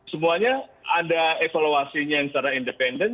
semuanya ada evaluasinya yang secara independen